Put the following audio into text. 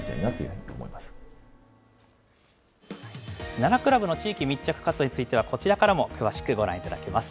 奈良クラブの地域密着活動については、こちらからも詳しくご覧いただけます。